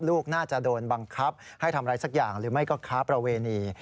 ลูกน่าจะโดนบังคับให้ทำอะไรสักอย่างหรือไม่ก็ค้าประเวณี